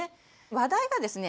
話題がですね